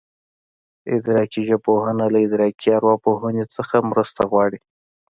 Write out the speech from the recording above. ادراکي ژبپوهنه له ادراکي ارواپوهنې نه مرسته غواړي